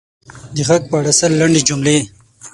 د ږغ په اړه سل لنډې جملې: